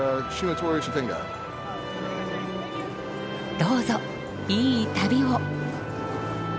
どうぞいい旅を。